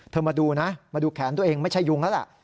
มาดูนะมาดูแขนตัวเองไม่ใช่ยุงแล้วล่ะ